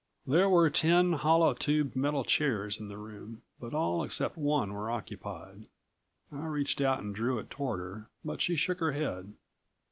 There were ten hollow tubed metal chairs in the room, but all except one were occupied. I reached out and drew it toward her, but she shook her head.